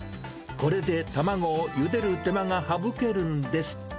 これで卵をゆでる手間が省けるんです。